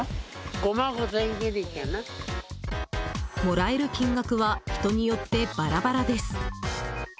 もらえる金額は人によってバラバラです。